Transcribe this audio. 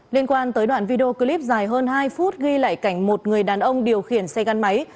liên quan tới đoạn video clip dài hơn hai phút ghi lại cảnh một người đàn ông điều khiển xe gắn máy